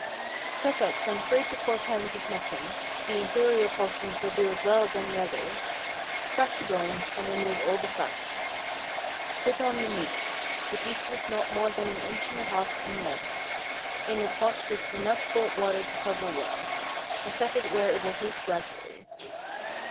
✠ Cut up from three to four pounds of mutton,—the inferior portions will do as well as any other,—crack the bones, and remove all the fat. Put on the meat—the pieces not more than an inch and a half in length—in a pot with enough cold water to cover well, and set it where it will heat gradually.